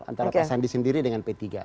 antara pak sandi sendiri dengan p tiga